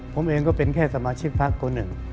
ผมเองก็เป็นแค่สมาชิกพักคนหนึ่ง